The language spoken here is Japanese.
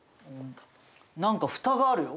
何か蓋があるよ。